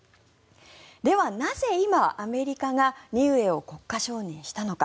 ではなぜ今、アメリカがニウエを国家承認したのか。